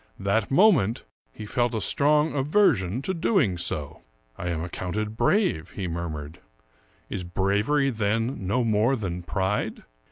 That moment he felt a strong aversion to doing so. " I am accounted brave," he murmured ;" is bravery, then, no more than pride